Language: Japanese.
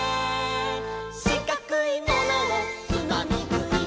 「しかくいものをつまみぐい」